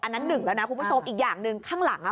อันนั้นหนึ่งแล้วนะคุณผู้ชมอีกอย่างหนึ่งข้างหลังอ่ะ